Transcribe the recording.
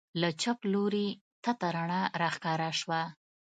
له چپ لوري تته رڼا راښکاره سوه.